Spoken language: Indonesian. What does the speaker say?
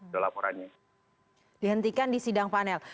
dihentikan di sidang panel